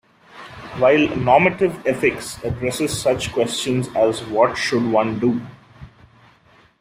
While normative ethics addresses such questions as What should one do?